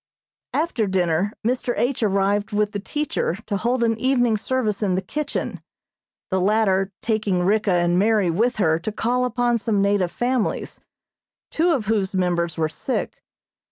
After dinner Mr. H. arrived with the teacher to hold an evening service in the kitchen, the latter taking Ricka and Mary with her to call upon some native families, two of whose members were sick.